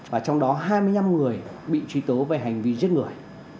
và trong đó hai mươi năm người bị truy tố về hành vi giết người